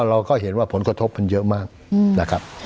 เราก็เห็นว่าผลกระทบมันเยอะมากนะครับ